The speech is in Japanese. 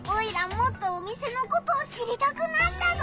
もっとお店のことを知りたくなったぞ！